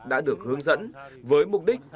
đã được hướng dẫn với mục đích